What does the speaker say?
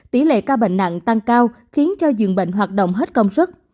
tỷ lệ ca bệnh nặng tăng cao khiến cho dường bệnh hoạt động hết công sức